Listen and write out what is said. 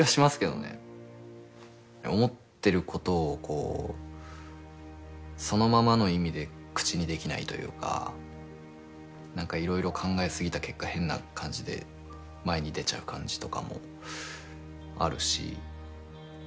思ってることをこうそのままの意味で口にできないというか色々考え過ぎた結果変な感じで前に出ちゃう感じとかもあるし。